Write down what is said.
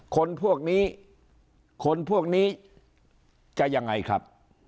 คนพวกนี้คนพวกนี้จะยังไงครับ